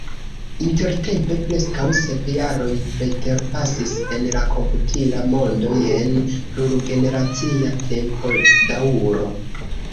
Intertempe preskaŭ sep jaroj preterpasis – en la komputila mondo jen plurgeneracia tempodaŭro.